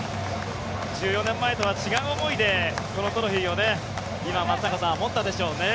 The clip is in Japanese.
１４年前とは違う思いでこのトロフィーを今松坂さん、持ったでしょうね。